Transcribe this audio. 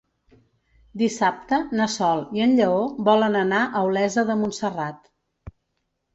Dissabte na Sol i en Lleó volen anar a Olesa de Montserrat.